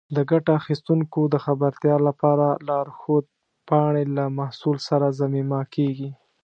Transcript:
د ګټه اخیستونکو د خبرتیا لپاره لارښود پاڼې له محصول سره ضمیمه کېږي.